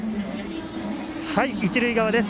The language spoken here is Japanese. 一塁側です。